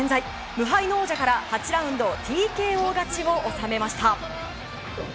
無敗の王者から、８ラウンドＴＫＯ勝ちを収めました。